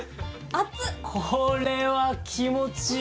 これは気持ちいい！